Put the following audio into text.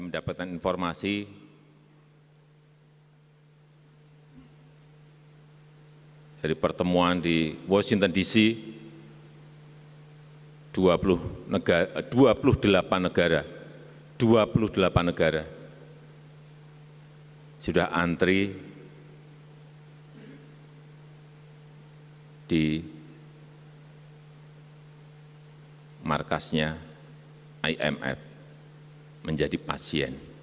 dari pertemuan di washington dc dua puluh delapan negara sudah antri di markasnya imf menjadi pasien